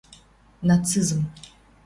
Нацизм